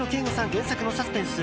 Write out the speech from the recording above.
原作のサスペンス